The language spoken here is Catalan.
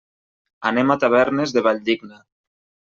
Anem a Tavernes de la Valldigna.